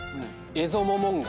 エゾモモンガ。